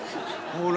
ほら。